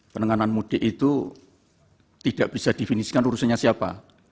penanganan mudik itu tidak bisa definisikan urusannya siapa